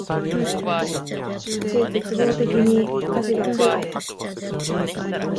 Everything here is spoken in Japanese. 絶望的に歌詞が暗い